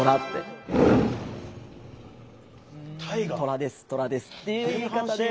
「トラですトラです」っていう言い方で。